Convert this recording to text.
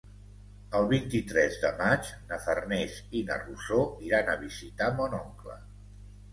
El vint-i-tres de maig na Farners i na Rosó iran a visitar mon oncle.